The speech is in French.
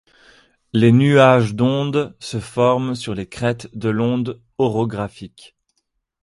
Les nuages d'onde se forment sur les crêtes de l'onde orographique.